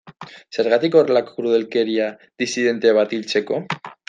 Zergatik horrelako krudelkeria disidente bat hiltzeko?